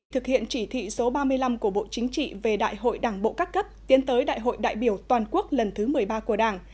thực hiện chỉ thị số ba mươi năm của bộ chính trị về đại hội đảng bộ các cấp tiến tới đại hội đại biểu toàn quốc lần thứ một mươi ba của đảng